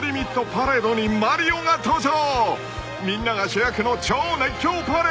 パレードにマリオが登場］